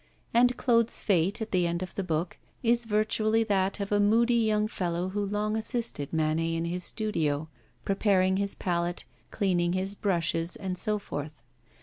And Claude's fate, at the end of the book, is virtually that of a moody young fellow who long assisted Manet in his studio, preparing his palette, cleaning his brushes, and so forth.